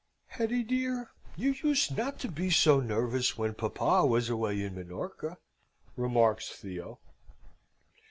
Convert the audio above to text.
"Hetty dear, you used not to be so nervous when papa was away in Minorca," remarks Theo.